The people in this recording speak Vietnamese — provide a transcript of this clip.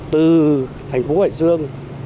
từ thành phố hải dương